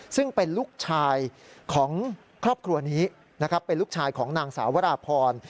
ซึ่งเป็นลูกชายของครอบครัวนี้นะครับเป็นลูกชายของนางสาววราพร